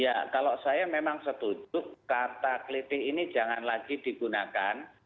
ya kalau saya memang setuju kata kritik ini jangan lagi digunakan